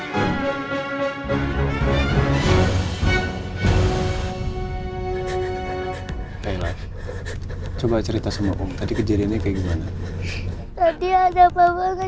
coba cerita semua umpadi kejadiannya kayak gimana tadi ada apa banget